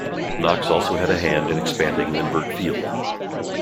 Knox also had a hand in expanding Lindbergh Field.